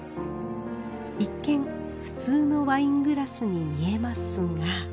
一見普通のワイングラスに見えますが。